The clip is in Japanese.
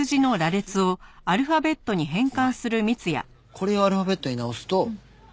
これをアルファベットに直すと。